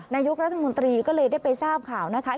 นายกรัฐมนตรีก็เลยได้ไปทราบข่าวนะคะ